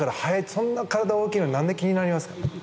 そんなに体大きいのに何で気になりますか。